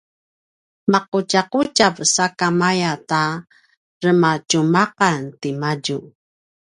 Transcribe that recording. maqutjaqutjav sakamaya ta rematjumaqan timadju